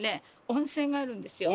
温泉があるんですよ。